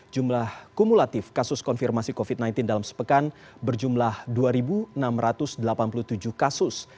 jumlah kumulatif kasus konfirmasi covid sembilan belas dalam sepekan berjumlah dua enam ratus delapan puluh tujuh kasus